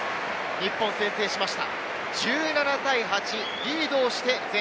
日本先制しました。